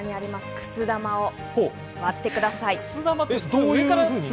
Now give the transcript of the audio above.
くす玉を割ってください。